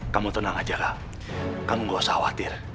kamu tenang aja kak kamu gak usah khawatir